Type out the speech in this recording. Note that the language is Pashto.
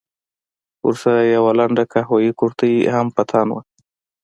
ورسره يې يوه لنډه قهويي کورتۍ هم په تن وه.